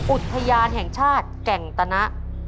อุทยานแห่งชาติแก่งตนะ